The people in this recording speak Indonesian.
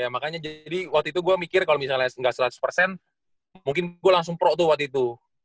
ya makanya jadi waktu itu gue mikir kalo misalnya gak seratus mungkin gue langsung pro tuh waktu itu